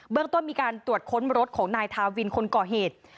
เรื่องต้นมีการตรวจค้นรถของนายทาวินคนก่อเหตุ